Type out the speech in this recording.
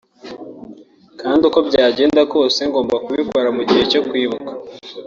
kandi uko byagenda kose ngomba kubikora mu gihe cyo kwibuka